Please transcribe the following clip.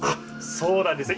そうなんですね。